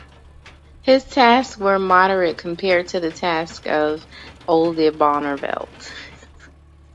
His tasks were moderate compared to the tasks of Oldebarnevelt.